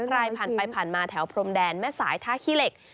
ใครผ่านไปผ่านมาแถวพรมแดนแม่สายท่าขี้เหล็ก